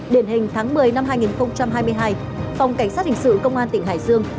điển hình tháng một mươi năm hai nghìn hai mươi hai phòng cảnh sát hình sự công an tỉnh hải dương